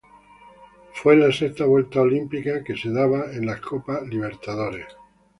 Fue la sexta vuelta olímpica que se daba en la Copa Libertadores.